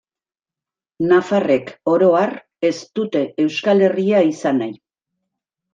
Nafarrek, oro har, ez dute Euskal Herria izan nahi.